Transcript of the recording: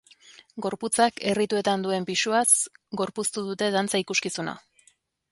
Gorputzak errituetan duen pisuaz gorpuztu dute dantza ikuskizuna.